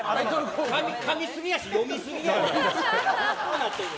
かみすぎやし、読みすぎやろ。